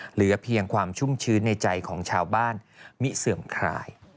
เหลือเพียงความชุ่มชื้นในใจของชาวบ้านมิเสื่อมคลาย